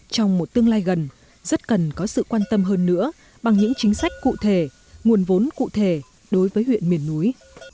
trong một tương lai gần rất cần có sự quan tâm hơn nữa bằng những chính sách cụ thể nguồn vốn cụ thể đối với huyện miền núi